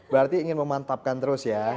berarti ingin memantapkan terus ya